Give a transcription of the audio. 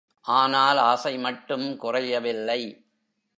ஆனால் ஆசை மட்டும் குறையவில்லை.